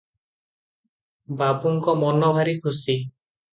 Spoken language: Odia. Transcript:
ବାବୁଙ୍କ ମନ ଭାରି ଖୁସି ।